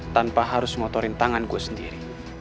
tanpa harus ngotorin tangan gue sendiri